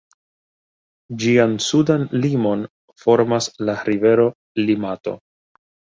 Ĝian sudan limon formas la rivero Limato.